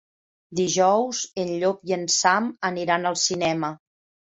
Dijous en Llop i en Sam aniran al cinema.